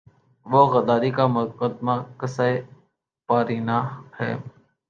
وہ غداری کا مقدمہ قصۂ پارینہ ہے۔